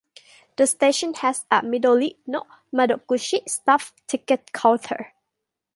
The station has a "Midori no Madoguchi" staffed ticket counter.